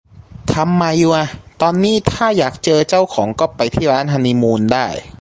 ทำใหม่อยู่อะ ตอนนี้ถ้าอยากเจอเจ้าของก็ไปที่ร้านฮันนีมูนได้